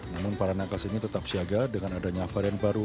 namun para nakas ini tetap siaga dengan adanya varian baru